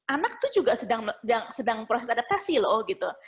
anak itu juga sedang proses adaptasi loh gitu